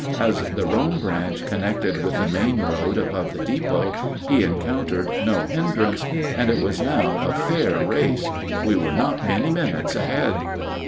As the Rome branch connected with the main road above the depot, he encountered no hindrance, and it was now a fair race. We were not many minutes ahead.